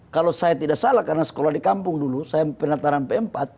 kalau saya tidak salah karena sekolah di kampung dulu saya penataran p empat